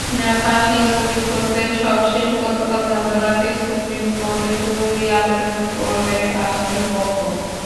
ফাঁসি স্থগিত করতে সবশেষ গতকাল মধ্যরাতে সুপ্রিম কোর্টে জরুরি আবেদন করে আসামিপক্ষ।